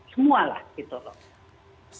semualah gitu loh